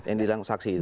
yang dibilang saksi itu